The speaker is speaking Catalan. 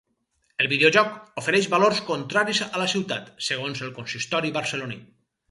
El videojoc ofereix valors contraris a la ciutat, segons el consistori barceloní.